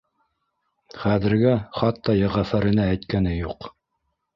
Хәҙергә хатта Йәғәфәренә әйткәне юҡ.